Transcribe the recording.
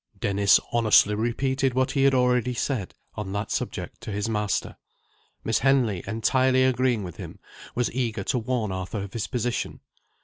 Dennis honestly repeated what he had already said, on that subject, to his master. Miss Henley, entirely agreeing with him, was eager to warn Arthur of his position.